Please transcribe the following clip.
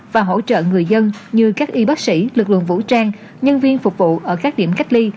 và hỗ trợ người dân như các y bác sĩ lực lượng vũ trang nhân viên phục vụ ở các điểm cách ly